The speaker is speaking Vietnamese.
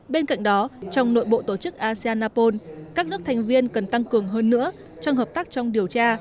bên cạnh đó trong nội bộ tổ chức asean apol các nước thành viên cần tăng cường hơn nữa trong hợp tác trong điều tra